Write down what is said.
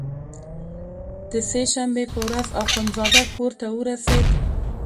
د سې شنبې په ورځ اخندزاده کورته ورسېد.